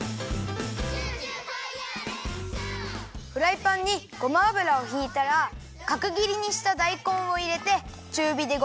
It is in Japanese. フライパンにごま油をひいたらかくぎりにしただいこんをいれてちゅうびで５分くらいいためます。